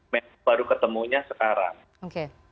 mereka baru ketemunya sekarang